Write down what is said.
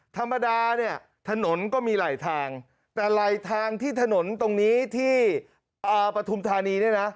ธะมดาถนนก็มีไหลทางแต่ไหลทางที่ถนนตรงนี้ที่ประธุมธานี